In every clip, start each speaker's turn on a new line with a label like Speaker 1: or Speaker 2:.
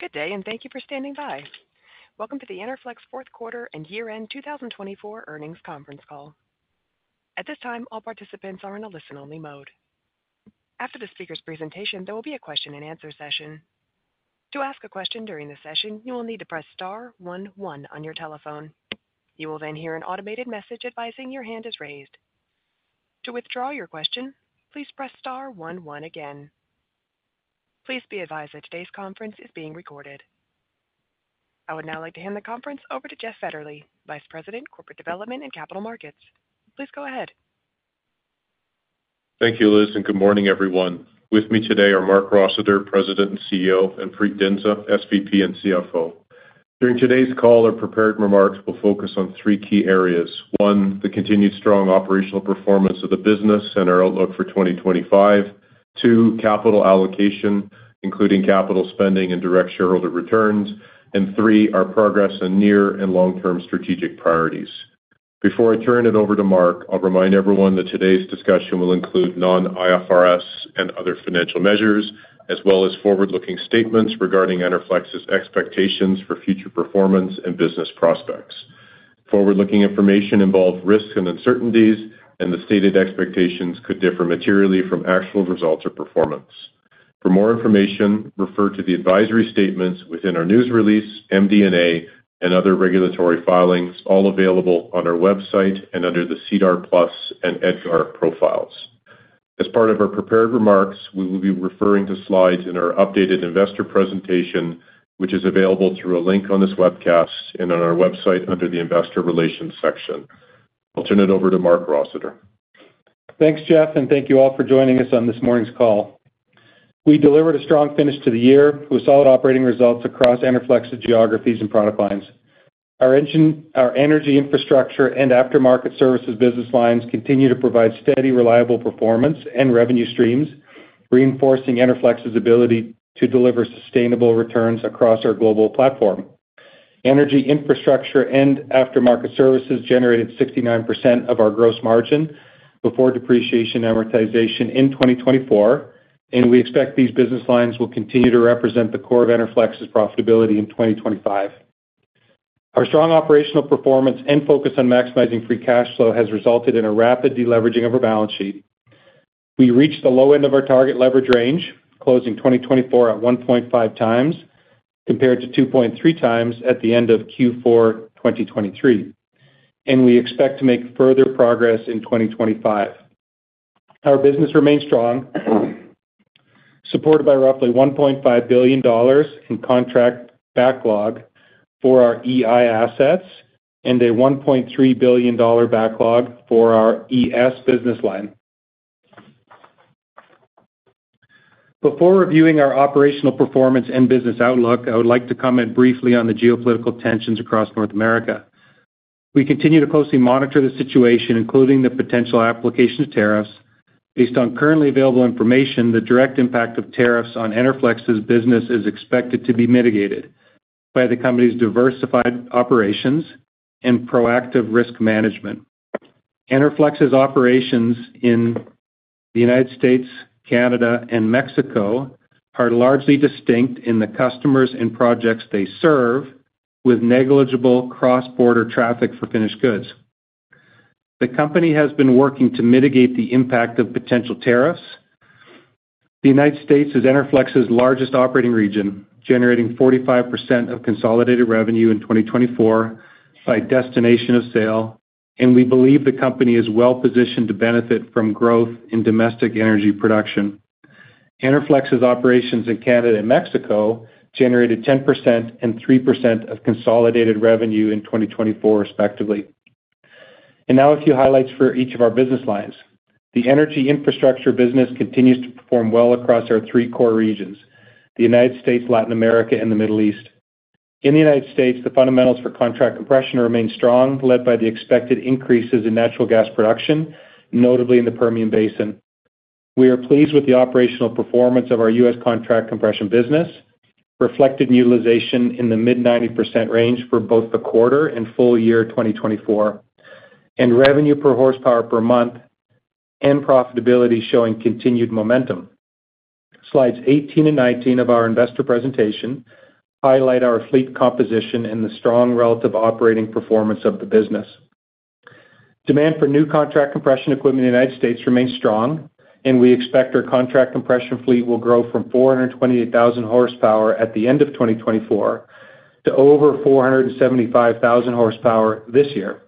Speaker 1: Good day, and thank you for standing by. Welcome to the Enerflex Fourth Quarter and Year End 2024 Earnings Conference Call. At this time, all participants are in a listen-only mode. After the speaker's presentation, there will be a question-and-answer session. To ask a question during the session, you will need to press star one one on your telephone. You will then hear an automated message advising your hand is raised. To withdraw your question, please press star one one again. Please be advised that today's conference is being recorded. I would now like to hand the conference over to Jeffrey Fetterly, Vice President, Corporate Development and Capital Markets. Please go ahead.
Speaker 2: Thank you, Liz, and good morning, everyone. With me today are Marc Rossiter, President and CEO, and Preet Dhindsa, SVP and CFO. During today's call, our prepared remarks will focus on three key areas: one, the continued strong operational performance of the business and our outlook for 2025. Two, capital allocation, including capital spending and direct shareholder returns. And three, our progress on near and long-term strategic priorities. Before I turn it over to Marc, I'll remind everyone that today's discussion will include non-IFRS and other financial measures, as well as forward-looking statements regarding Enerflex's expectations for future performance and business prospects. Forward-looking information involves risk and uncertainties, and the stated expectations could differ materially from actual results or performance. For more information, refer to the advisory statements within our news release, MD&A, and other regulatory filings, all available on our website and under the SEDAR+ and EDGAR profiles. As part of our prepared remarks, we will be referring to slides in our updated investor presentation, which is available through a link on this webcast and on our website under the investor relations section. I'll turn it over to Marc Rossiter.
Speaker 3: Thanks, Jeff, and thank you all for joining us on this morning's call. We delivered a strong finish to the year with solid operating results across Enerflex's geographies and product lines. Our energy infrastructure and aftermarket services business lines continue to provide steady, reliable performance and revenue streams, reinforcing Enerflex's ability to deliver sustainable returns across our global platform. Energy infrastructure and aftermarket services generated 69% of our gross margin before depreciation and amortization in 2024, and we expect these business lines will continue to represent the core of Enerflex's profitability in 2025. Our strong operational performance and focus on maximizing free cash flow has resulted in a rapid deleveraging of our balance sheet. We reached the low end of our target leverage range, closing 2024 at 1.5 times compared to 2.3 times at the end of Q4 2023, and we expect to make further progress in 2025. Our business remains strong, supported by roughly $1.5 billion in contract backlog for our EI assets and a $1.3 billion backlog for our ES business line. Before reviewing our operational performance and business outlook, I would like to comment briefly on the geopolitical tensions across North America. We continue to closely monitor the situation, including the potential application of tariffs. Based on currently available information, the direct impact of tariffs on Enerflex's business is expected to be mitigated by the company's diversified operations and proactive risk management. Enerflex's operations in the United States, Canada, and Mexico are largely distinct in the customers and projects they serve, with negligible cross-border traffic for finished goods. The company has been working to mitigate the impact of potential tariffs. The United States is Enerflex's largest operating region, generating 45% of consolidated revenue in 2024 by destination of sale, and we believe the company is well-positioned to benefit from growth in domestic energy production. Enerflex's operations in Canada and Mexico generated 10% and 3% of consolidated revenue in 2024, respectively. Now a few highlights for each of our business lines. The energy infrastructure business continues to perform well across our three core regions: the United States, Latin America, and the Middle East. In the United States, the fundamentals for contract compression remain strong, led by the expected increases in natural gas production, notably in the Permian Basin. We are pleased with the operational performance of our U.S. contract compression business, reflected in utilization in the mid-90% range for both the quarter and full year 2024, and revenue per horsepower per month and profitability showing continued momentum. Slides 18 and 19 of our investor presentation highlight our fleet composition and the strong relative operating performance of the business. Demand for new contract compression equipment in the United States remains strong, and we expect our contract compression fleet will grow from 428,000 horsepower at the end of 2024 to over 475,000 horsepower this year.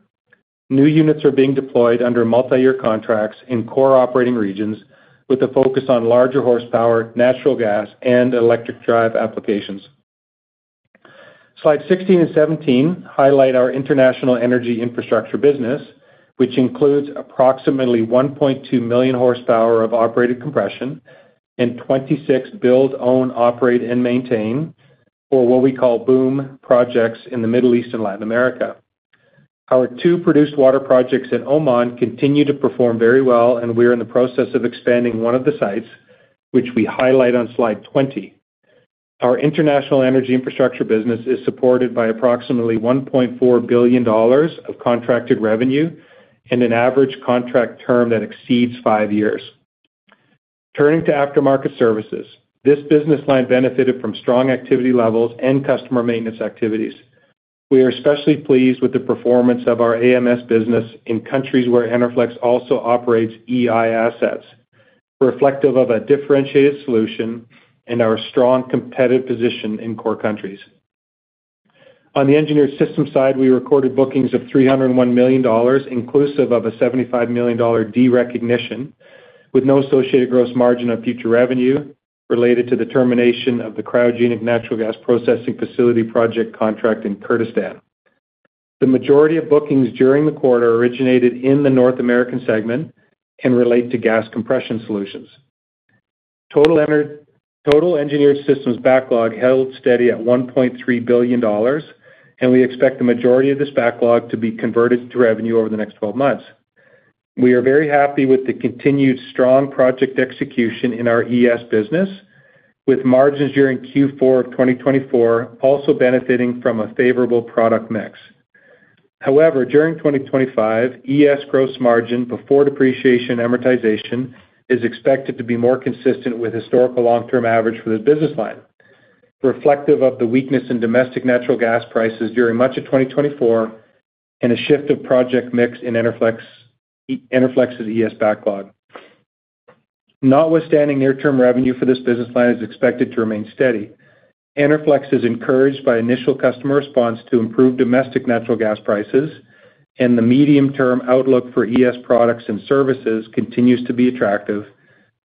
Speaker 3: New units are being deployed under multi-year contracts in core operating regions, with a focus on larger horsepower, natural gas, and electric drive applications. Slides 16 and 17 highlight our international energy infrastructure business, which includes approximately 1.2 million horsepower of operated compression and 26 build, own, operate, and maintain for what we call BOOM projects in the Middle East and Latin America. Our two produced water projects in Oman continue to perform very well, and we are in the process of expanding one of the sites, which we highlight on Slide 20. Our international energy infrastructure business is supported by approximately $1.4 billion of contracted revenue and an average contract term that exceeds five years. Turning to aftermarket services, this business line benefited from strong activity levels and customer maintenance activities. We are especially pleased with the performance of our AMS business in countries where Enerflex also operates EI assets, reflective of a differentiated solution and our strong competitive position in core countries. On the engineered systems side, we recorded bookings of $301 million, inclusive of a $75 million derecognition, with no associated gross margin of future revenue related to the termination of the cryogenic natural gas processing facility project contract in Kurdistan. The majority of bookings during the quarter originated in the North American segment and relate to gas compression solutions. Total Engineered Systems backlog held steady at $1.3 billion, and we expect the majority of this backlog to be converted to revenue over the next 12 months. We are very happy with the continued strong project execution in our ES business, with margins during Q4 of 2024 also benefiting from a favorable product mix. However, during 2025, ES gross margin before depreciation and amortization is expected to be more consistent with historical long-term average for this business line, reflective of the weakness in domestic natural gas prices during much of 2024 and a shift of project mix in Enerflex's ES backlog. Notwithstanding, near-term revenue for this business line is expected to remain steady. Enerflex is encouraged by initial customer response to improved domestic natural gas prices, and the medium-term outlook for ES products and services continues to be attractive,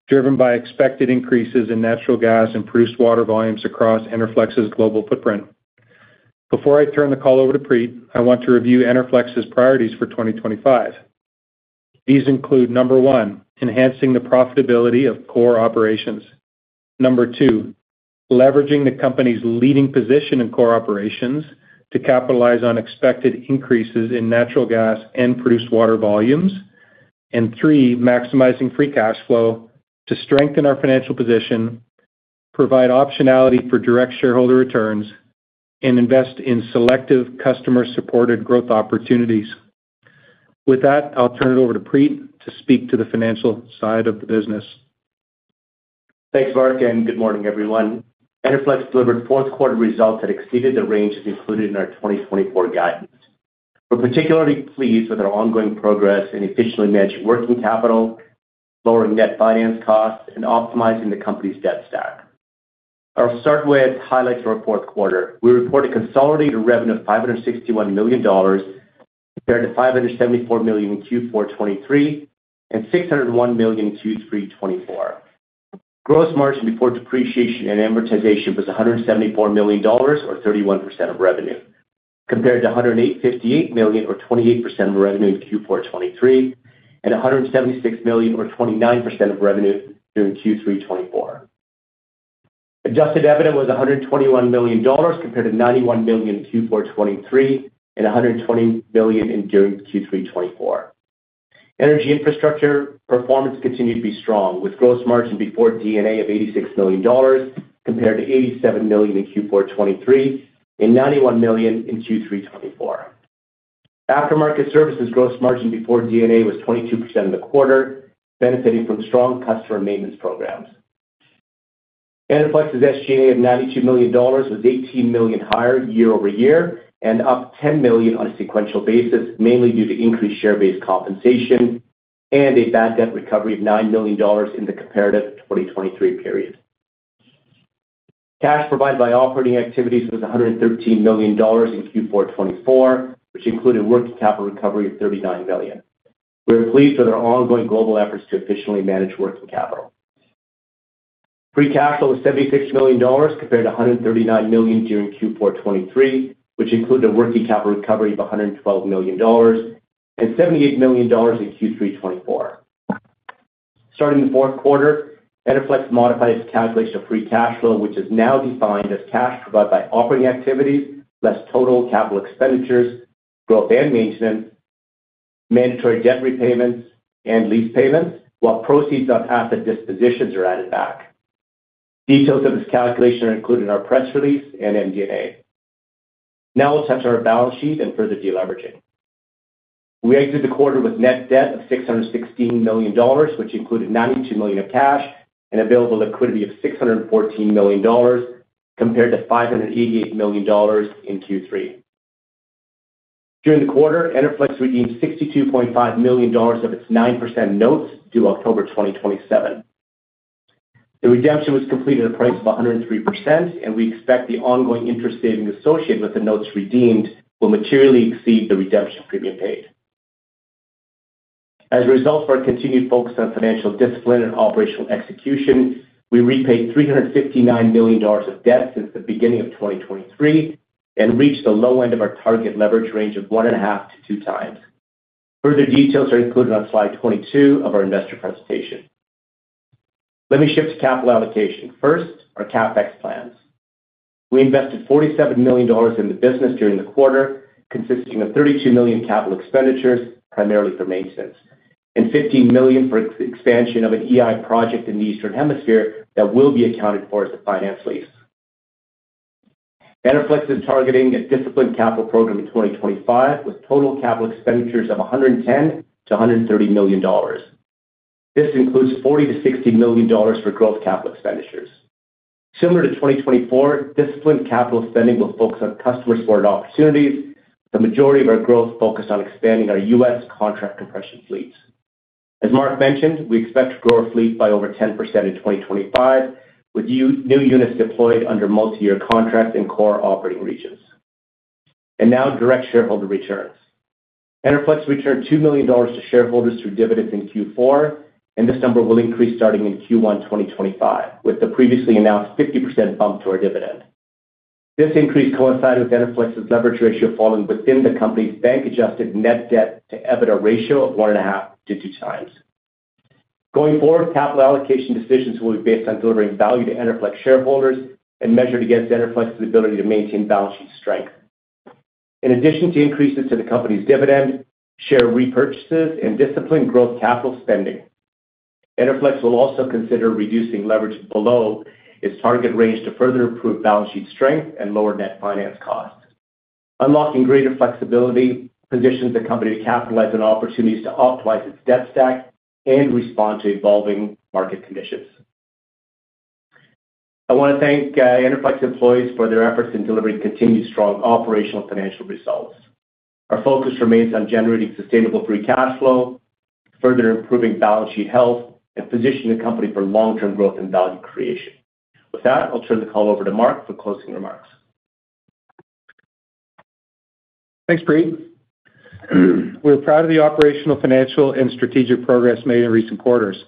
Speaker 3: driven by expected increases in natural gas and produced water volumes across Enerflex's global footprint. Before I turn the call over to Preet, I want to review Enerflex's priorities for 2025. These include, number one, enhancing the profitability of core operations. Number two, leveraging the company's leading position in core operations to capitalize on expected increases in natural gas and produced water volumes. And three, maximizing free cash flow to strengthen our financial position, provide optionality for direct shareholder returns, and invest in selective customer-supported growth opportunities. With that, I'll turn it over to Preet to speak to the financial side of the business.
Speaker 4: Thanks, Marc, and good morning, everyone. Enerflex delivered fourth-quarter results that exceeded the ranges included in our 2024 guidance. We're particularly pleased with our ongoing progress in efficiently managing working capital, lowering net finance costs, and optimizing the company's debt stack. I'll start with highlights for our fourth quarter. We reported consolidated revenue of $561 million compared to $574 million in Q4 2023 and $601 million in Q3 2024. Gross margin before depreciation and amortization was $174 million, or 31% of revenue, compared to $158 million, or 28% of revenue in Q4 2023, and $176 million, or 29% of revenue during Q3 2024. Adjusted EBITDA was $121 million compared to $91 million in Q4 2023 and $120 million during Q3 2024. Energy infrastructure performance continued to be strong, with gross margin before D&A of $86 million compared to $87 million in Q4 2023 and $91 million in Q3 2024. Aftermarket services gross margin before D&A was 22% for the quarter, benefiting from strong customer maintenance programs. Enerflex's SG&A of $92 million was $18 million higher year-over-year and up $10 million on a sequential basis, mainly due to increased share-based compensation and a bad debt recovery of $9 million in the comparative 2023 period. Cash provided by operating activities was $113 million in Q4 2024, which included working capital recovery of $39 million. We are pleased with our ongoing global efforts to efficiently manage working capital. Free cash flow was $76 million compared to $139 million during Q4 2023, which included a working capital recovery of $112 million and $78 million in Q3 2024. Starting the fourth quarter, Enerflex modified its calculation of free cash flow, which is now defined as cash provided by operating activities less total capital expenditures, growth and maintenance, mandatory debt repayments, and lease payments, while proceeds on asset dispositions are added back. Details of this calculation are included in our press release and MD&A. Now we'll touch on our balance sheet and further deleveraging. We exited the quarter with net debt of $616 million, which included $92 million of cash and available liquidity of $614 million, compared to $588 million in Q3. During the quarter, Enerflex redeemed $62.5 million of its 9% notes due October 2027. The redemption was completed at a price of 103%, and we expect the ongoing interest savings associated with the notes redeemed will materially exceed the redemption premium paid. As a result of our continued focus on financial discipline and operational execution, we repaid $359 million of debt since the beginning of 2023 and reached the low end of our target leverage range of one and a half to two times. Further details are included on Slide 22 of our investor presentation. Let me shift to capital allocation. First, our CapEx plans. We invested $47 million in the business during the quarter, consisting of $32 million in capital expenditures, primarily for maintenance, and $15 million for expansion of an EI project in the Eastern Hemisphere that will be accounted for as a finance lease. Enerflex is targeting a disciplined capital program in 2025 with total capital expenditures of $110 to $130 million. This includes $40 to $60 million for gross capital expenditures. Similar to 2024, disciplined capital spending will focus on customer-supported opportunities. The majority of our growth focused on expanding our U.S. contract compression fleets. As Marc mentioned, we expect to grow our fleet by over 10% in 2025, with new units deployed under multi-year contracts in core operating regions. And now, direct shareholder returns. Enerflex returned $2 million to shareholders through dividends in Q4, and this number will increase starting in Q1 2025, with the previously announced 50% bump to our dividend. This increase coincided with Enerflex's leverage ratio falling within the company's bank-adjusted net debt to EBITDA ratio of one and a half to two times. Going forward, capital allocation decisions will be based on delivering value to Enerflex shareholders and measured against Enerflex's ability to maintain balance sheet strength. In addition to increases to the company's dividend, share repurchases, and disciplined growth capital spending, Enerflex will also consider reducing leverage below its target range to further improve balance sheet strength and lower net finance costs. Unlocking greater flexibility positions the company to capitalize on opportunities to optimize its debt stack and respond to evolving market conditions. I want to thank Enerflex employees for their efforts in delivering continued strong operational financial results. Our focus remains on generating sustainable free cash flow, further improving balance sheet health, and positioning the company for long-term growth and value creation. With that, I'll turn the call over to Marc for closing remarks.
Speaker 3: Thanks, Preet. We're proud of the operational, financial, and strategic progress made in recent quarters.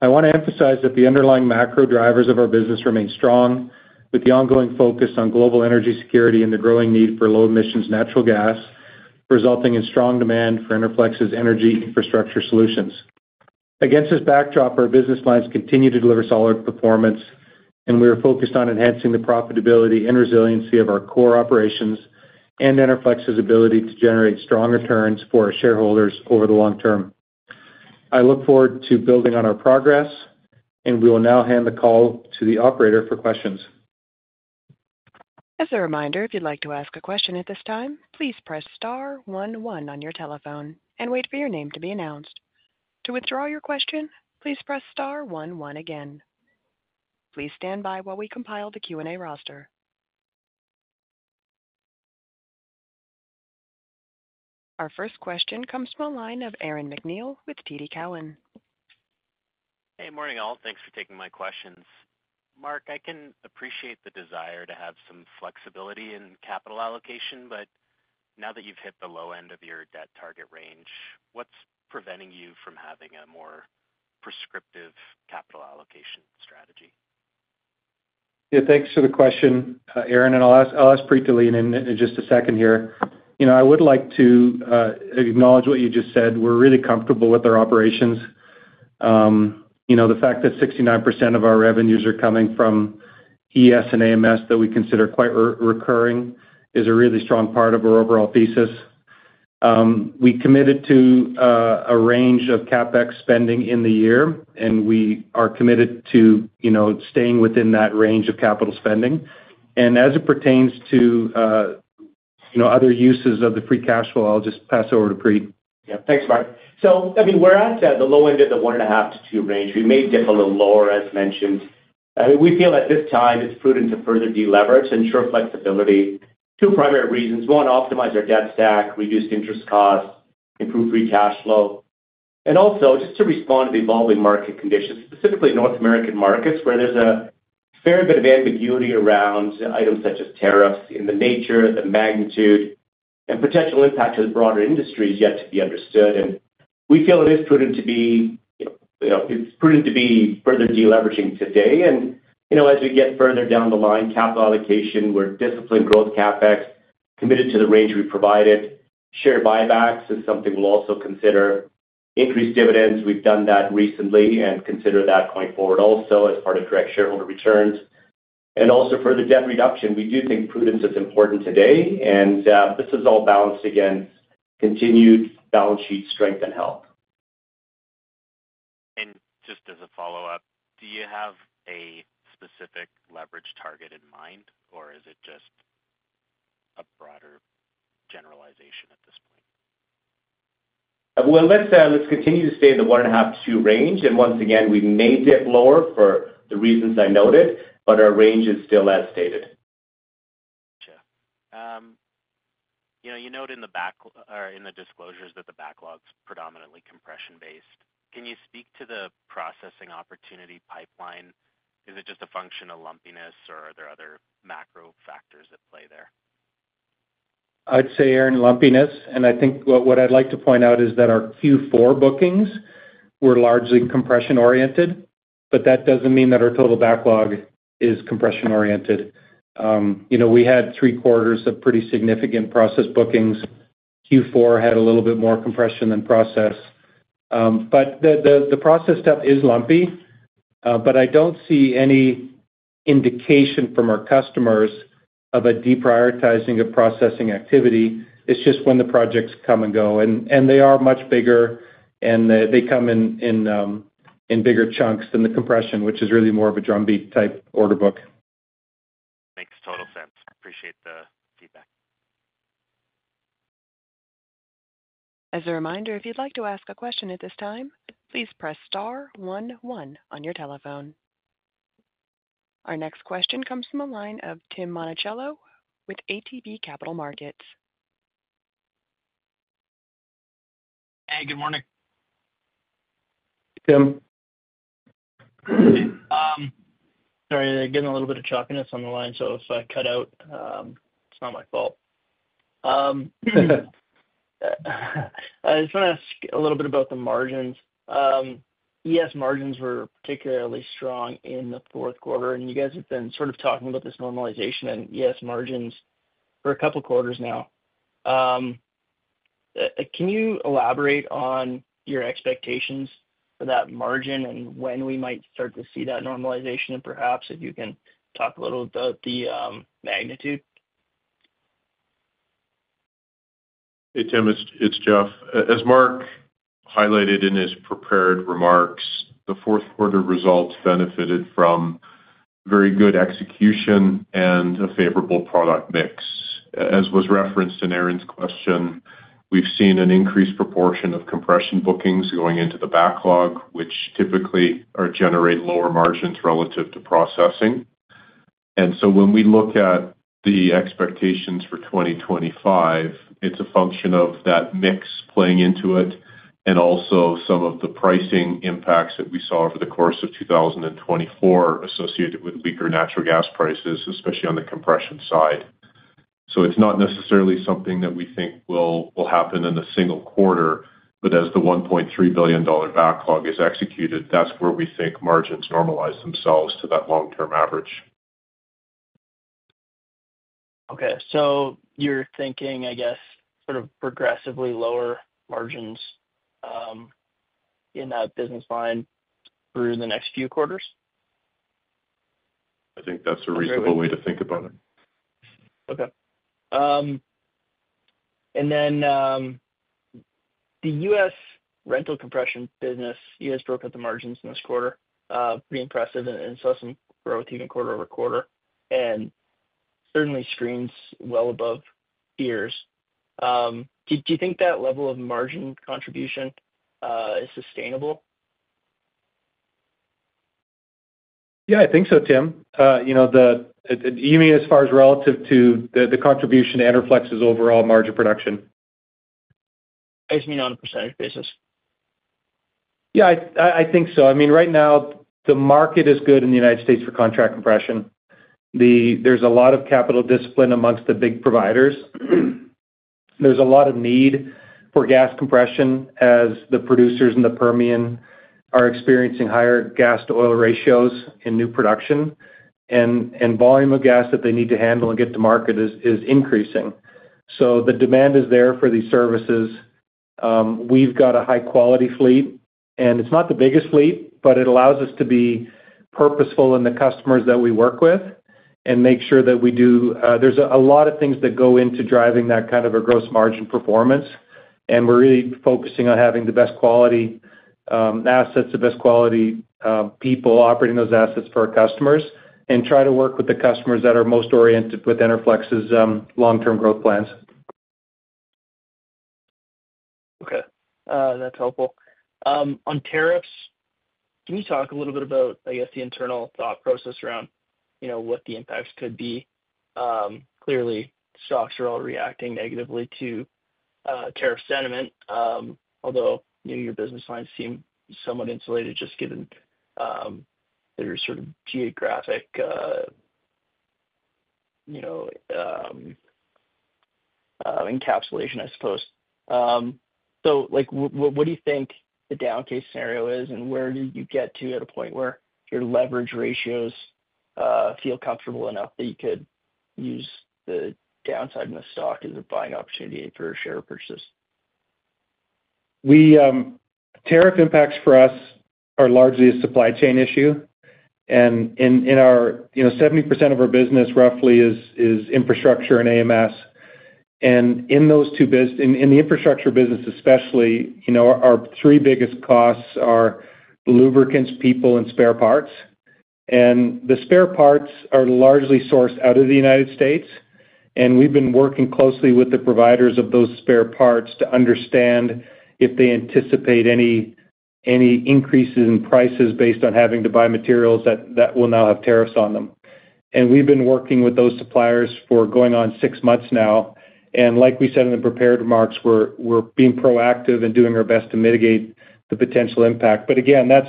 Speaker 3: I want to emphasize that the underlying macro drivers of our business remain strong, with the ongoing focus on global energy security and the growing need for low-emissions natural gas, resulting in strong demand for Enerflex's energy infrastructure solutions. Against this backdrop, our business lines continue to deliver solid performance, and we are focused on enhancing the profitability and resiliency of our core operations and Enerflex's ability to generate strong returns for our shareholders over the long term. I look forward to building on our progress, and we will now hand the call to the operator for questions.
Speaker 1: As a reminder, if you'd like to ask a question at this time, please press star one one on your telephone and wait for your name to be announced. To withdraw your question, please press star one one again. Please stand by while we compile the Q&A roster. Our first question comes from a line of Aaron MacNeil with TD Cowen.
Speaker 5: Hey, morning all. Thanks for taking my questions. Marc, I can appreciate the desire to have some flexibility in capital allocation, but now that you've hit the low end of your debt target range, what's preventing you from having a more prescriptive capital allocation strategy?
Speaker 3: Yeah, thanks for the question, Aaron, and I'll ask Preet Dhindsa in just a second here. I would like to acknowledge what you just said. We're really comfortable with our operations. The fact that 69% of our revenues are coming from ES and AMS that we consider quite recurring is a really strong part of our overall thesis. We committed to a range of CapEx spending in the year, and we are committed to staying within that range of capital spending. And as it pertains to other uses of the free cash flow, I'll just pass it over to Preet.
Speaker 4: Yeah, thanks, Marc, so I mean, we're at the low end of the one and a half to two range. We may dip a little lower, as mentioned. I mean, we feel at this time it's prudent to further deleverage and ensure flexibility for two primary reasons. One, optimize our debt stack, reduce interest costs, improve free cash flow, and also, just to respond to the evolving market conditions, specifically North American markets, where there's a fair bit of ambiguity around items such as tariffs and the nature, the magnitude, and potential impact to the broader industry is yet to be understood, and we feel it is prudent to be further deleveraging today, and as we get further down the line, capital allocation, we're disciplined growth CapEx, committed to the range we provided. Share buybacks is something we'll also consider. Increased dividends, we've done that recently and consider that going forward also as part of direct shareholder returns. And also, for the debt reduction, we do think prudence is important today, and this is all balanced against continued balance sheet strength and health.
Speaker 5: Just as a follow-up, do you have a specific leverage target in mind, or is it just a broader generalization at this point?
Speaker 4: Let's continue to stay in the one and a half to two range, and once again, we may dip lower for the reasons I noted, but our range is still as stated.
Speaker 5: Gotcha. You note in the disclosures that the backlog's predominantly compression-based. Can you speak to the processing opportunity pipeline? Is it just a function of lumpiness, or are there other macro factors that play there?
Speaker 3: I'd say, Aaron, lumpiness. I think what I'd like to point out is that our Q4 bookings were largely compression-oriented, but that doesn't mean that our total backlog is compression-oriented. We had three quarters of pretty significant process bookings. Q4 had a little bit more compression than process. The process stuff is lumpy, but I don't see any indication from our customers of a deprioritizing of processing activity. It's just when the projects come and go, and they are much bigger, and they come in bigger chunks than the compression, which is really more of a drumbeat-type order book.
Speaker 5: Makes total sense. Appreciate the feedback.
Speaker 1: As a reminder, if you'd like to ask a question at this time, please press star one one on your telephone. Our next question comes from a line of Tim Monachello with ATB Capital Markets.
Speaker 6: Hey, good morning.
Speaker 3: Tim.
Speaker 6: Sorry, I'm getting a little bit of choppiness on the line, so if I cut out, it's not my fault. I just want to ask a little bit about the margins. ES margins were particularly strong in the fourth quarter, and you guys have been sort of talking about this normalization in ES margins for a couple of quarters now. Can you elaborate on your expectations for that margin and when we might start to see that normalization? And perhaps if you can talk a little about the magnitude.
Speaker 2: Hey, Tim, it's Jeff. As Marc highlighted in his prepared remarks, the fourth quarter results benefited from very good execution and a favorable product mix. As was referenced in Aaron's question, we've seen an increased proportion of compression bookings going into the backlog, which typically generate lower margins relative to processing, and so when we look at the expectations for 2025, it's a function of that mix playing into it and also some of the pricing impacts that we saw over the course of 2024 associated with weaker natural gas prices, especially on the compression side, so it's not necessarily something that we think will happen in a single quarter, but as the $1.3 billion backlog is executed, that's where we think margins normalize themselves to that long-term average.
Speaker 6: Okay. So you're thinking, I guess, sort of progressively lower margins in that business line through the next few quarters?
Speaker 1: I think that's a reasonable way to think about it.
Speaker 5: Okay. And then the U.S. rental compression business, you guys broke out the margins in this quarter. Pretty impressive. And saw some growth even quarter over quarter, and certainly screams well above peers. Do you think that level of margin contribution is sustainable?
Speaker 3: Yeah, I think so, Tim. You mean as far as relative to the contribution to Enerflex's overall margin production?
Speaker 5: I just mean on a percentage basis.
Speaker 3: Yeah, I think so. I mean, right now, the market is good in the United States for contract compression. There's a lot of capital discipline amongst the big providers. There's a lot of need for gas compression as the producers in the Permian are experiencing higher gas-to-oil ratios in new production, and volume of gas that they need to handle and get to market is increasing. So the demand is there for these services. We've got a high-quality fleet, and it's not the biggest fleet, but it allows us to be purposeful in the customers that we work with and make sure that we do. There's a lot of things that go into driving that kind of a gross margin performance, and we're really focusing on having the best quality assets, the best quality people operating those assets for our customers, and try to work with the customers that are most oriented with Enerflex's long-term growth plans.
Speaker 5: Okay. That's helpful. On tariffs, can you talk a little bit about, I guess, the internal thought process around what the impacts could be? Clearly, stocks are all reacting negatively to tariff sentiment, although your business lines seem somewhat insulated just given their sort of geographic encapsulation, I suppose. So what do you think the downside case scenario is, and where do you get to at a point where your leverage ratios feel comfortable enough that you could use the downside in the stock as a buying opportunity for share purchases?
Speaker 3: Tariff impacts for us are largely a supply chain issue. And in our 70% of our business, roughly, is infrastructure and AMS. And in the infrastructure business, especially, our three biggest costs are lubricants, people, and spare parts. And the spare parts are largely sourced out of the United States, and we've been working closely with the providers of those spare parts to understand if they anticipate any increases in prices based on having to buy materials that will now have tariffs on them. And we've been working with those suppliers for going on six months now. And like we said in the prepared remarks, we're being proactive and doing our best to mitigate the potential impact. But again, that's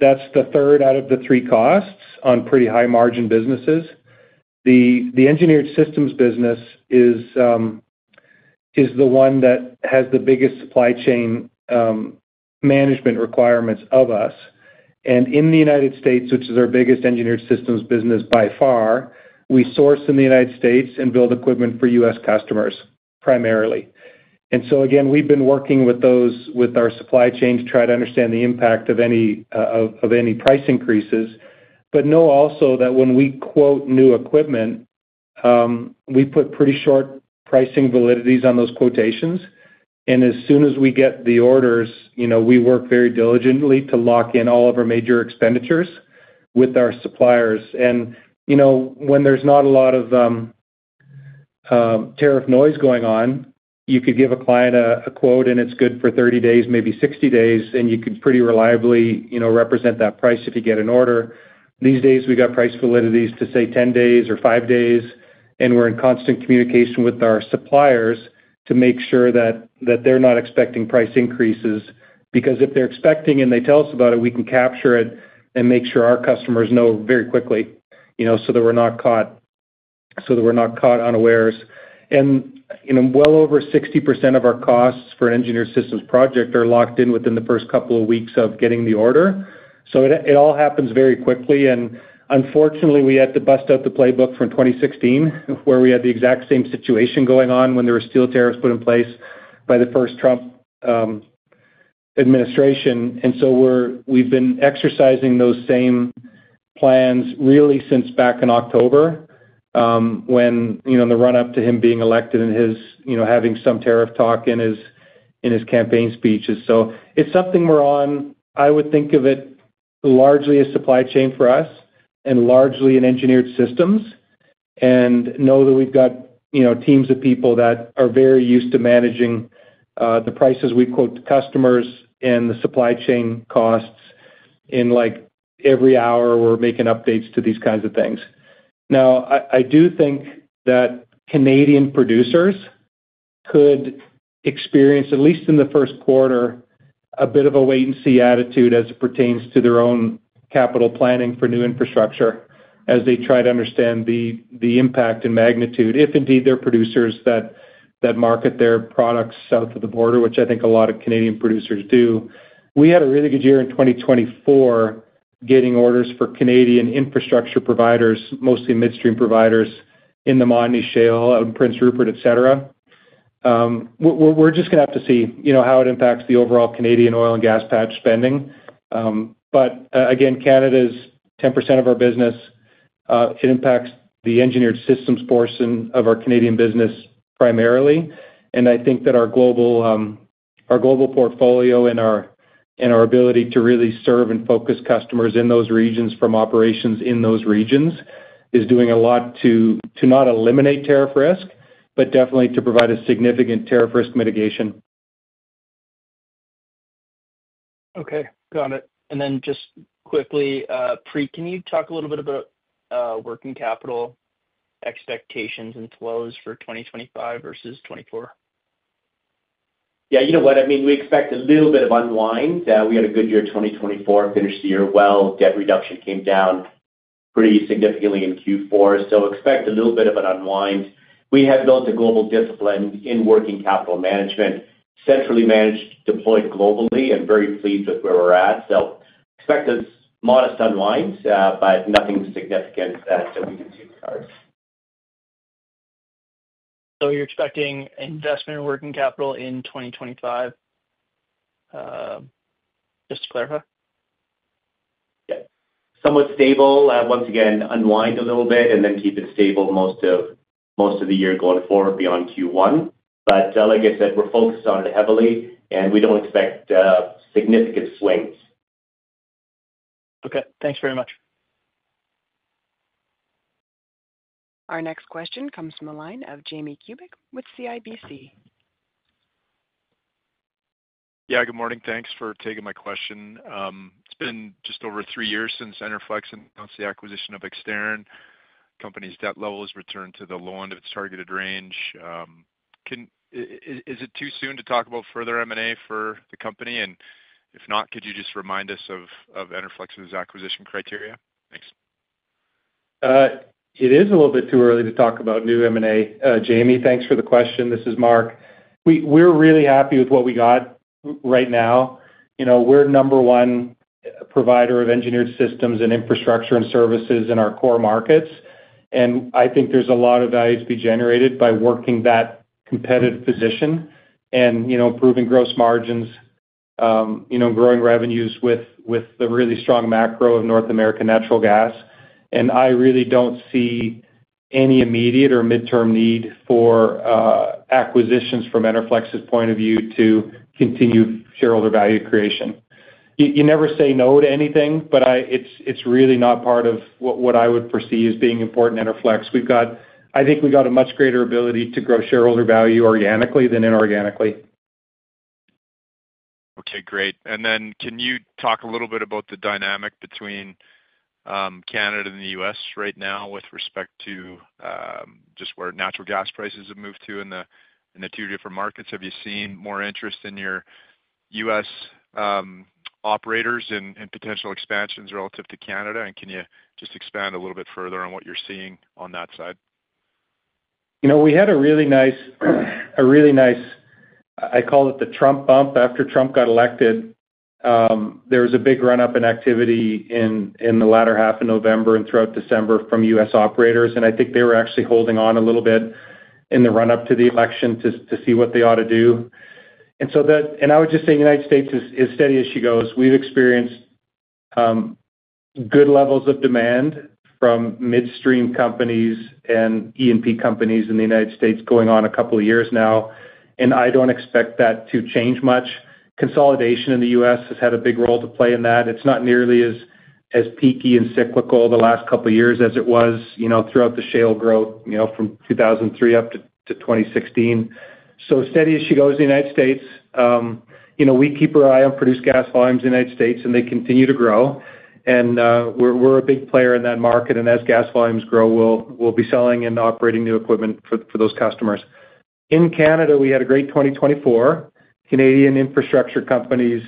Speaker 3: the third out of the three costs on pretty high-margin businesses. The engineered systems business is the one that has the biggest supply chain management requirements of us. And in the United States, which is our biggest Engineered Systems business by far, we source in the United States and build equipment for U.S. customers primarily. And so again, we've been working with our supply chain to try to understand the impact of any price increases, but know also that when we quote new equipment, we put pretty short pricing validities on those quotations. And as soon as we get the orders, we work very diligently to lock in all of our major expenditures with our suppliers. And when there's not a lot of tariff noise going on, you could give a client a quote, and it's good for 30 days, maybe 60 days, and you could pretty reliably represent that price if you get an order. These days, we got price validities to, say, 10 days or five days, and we're in constant communication with our suppliers to make sure that they're not expecting price increases. Because if they're expecting and they tell us about it, we can capture it and make sure our customers know very quickly so that we're not caught so that we're not caught unawares. And well over 60% of our costs for an Engineered Systems project are locked in within the first couple of weeks of getting the order. So it all happens very quickly. And unfortunately, we had to bust out the playbook from 2016 where we had the exact same situation going on when there were steel tariffs put in place by the first Trump administration. And so we've been exercising those same plans really since back in October when in the run-up to him being elected and having some tariff talk in his campaign speeches. So it's something we're on. I would think of it largely as supply chain for us and largely in Engineered Systems, and know that we've got teams of people that are very used to managing the prices we quote to customers and the supply chain costs. And every hour, we're making updates to these kinds of things. Now, I do think that Canadian producers could experience, at least in the first quarter, a bit of a wait-and-see attitude as it pertains to their own capital planning for new infrastructure as they try to understand the impact and magnitude, if indeed they're producers that market their products south of the border, which I think a lot of Canadian producers do. We had a really good year in 2024 getting orders for Canadian infrastructure providers, mostly midstream providers in the Montney, Prince Rupert, etc. We're just going to have to see how it impacts the overall Canadian oil and gas patch spending. But again, Canada is 10% of our business. It impacts the engineered systems portion of our Canadian business primarily. And I think that our global portfolio and our ability to really serve and focus customers in those regions from operations in those regions is doing a lot to not eliminate tariff risk, but definitely to provide a significant tariff risk mitigation.
Speaker 5: Okay. Got it. And then just quickly, Preet, can you talk a little bit about working capital expectations and flows for 2025 versus 2024?
Speaker 4: Yeah. You know what? I mean, we expect a little bit of unwind. We had a good year in 2024, finished the year well. Debt reduction came down pretty significantly in Q4, so expect a little bit of an unwind. We have built a global discipline in working capital management, centrally managed, deployed globally, and very pleased with where we're at. So expect a modest unwind, but nothing significant that we can see with the cards.
Speaker 5: So you're expecting investment in working capital in 2025, just to clarify?
Speaker 4: Yeah. Somewhat stable. Once again, unwind a little bit and then keep it stable most of the year going forward beyond Q1. But like I said, we're focused on it heavily, and we don't expect significant swings.
Speaker 5: Okay. Thanks very much.
Speaker 1: Our next question comes from a line of Jamie Kubik with CIBC.
Speaker 7: Yeah, good morning. Thanks for taking my question. It's been just over three years since Enerflex announced the acquisition of Exterran. The company's debt level has returned to the low end of its targeted range. Is it too soon to talk about further M&A for the company? And if not, could you just remind us of Enerflex's acquisition criteria? Thanks.
Speaker 3: It is a little bit too early to talk about new M&A. Jamie, thanks for the question. This is Marc. We're really happy with what we got right now. We're number one provider of engineered systems and infrastructure and services in our core markets, and I think there's a lot of value to be generated by working that competitive position and improving gross margins, growing revenues with the really strong macro of North American natural gas, and I really don't see any immediate or midterm need for acquisitions from Enerflex's point of view to continue shareholder value creation. You never say no to anything, but it's really not part of what I would perceive as being important in Enerflex. I think we got a much greater ability to grow shareholder value organically than inorganically.
Speaker 7: Okay. Great. And then can you talk a little bit about the dynamic between Canada and the U.S. right now with respect to just where natural gas prices have moved to in the two different markets? Have you seen more interest in your U.S. operators and potential expansions relative to Canada? And can you just expand a little bit further on what you're seeing on that side?
Speaker 3: We had a really nice, I call it the Trump bump. After Trump got elected, there was a big run-up in activity in the latter half of November and throughout December from U.S. operators, and I think they were actually holding on a little bit in the run-up to the election to see what they ought to do, and I would just say the United States is steady as she goes. We've experienced good levels of demand from midstream companies and E&P companies in the United States going on a couple of years now, and I don't expect that to change much. Consolidation in the U.S. has had a big role to play in that. It's not nearly as peaky and cyclical the last couple of years as it was throughout the shale growth from 2003 up to 2016. So steady as she goes in the United States, we keep our eye on produced gas volumes in the United States, and they continue to grow. And we're a big player in that market. And as gas volumes grow, we'll be selling and operating new equipment for those customers. In Canada, we had a great 2024. Canadian infrastructure companies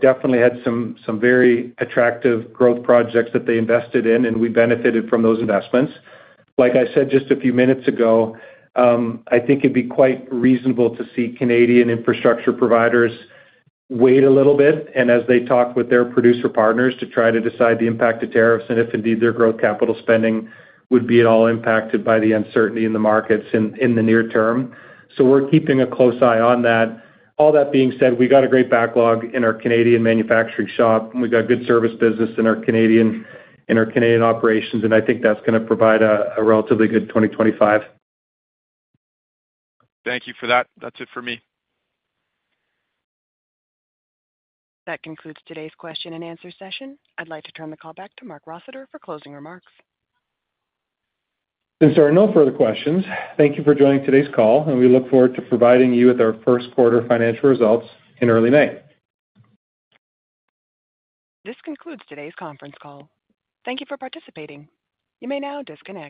Speaker 3: definitely had some very attractive growth projects that they invested in, and we benefited from those investments. Like I said just a few minutes ago, I think it'd be quite reasonable to see Canadian infrastructure providers wait a little bit and, as they talk with their producer partners, try to decide the impact of tariffs and if indeed their growth capital spending would be at all impacted by the uncertainty in the markets in the near term. So we're keeping a close eye on that. All that being said, we got a great backlog in our Canadian manufacturing shop, and we got good service business in our Canadian operations, and I think that's going to provide a relatively good 2025.
Speaker 7: Thank you for that. That's it for me.
Speaker 1: That concludes today's question and answer session. I'd like to turn the call back to Marc Rossiter for closing remarks.
Speaker 3: Since there are no further questions, thank you for joining today's call, and we look forward to providing you with our first quarter financial results in early May.
Speaker 1: This concludes today's conference call. Thank you for participating. You may now disconnect.